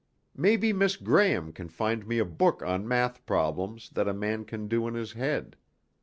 Maybe Miss Graham can find me a book on math problems that a man can do in his head.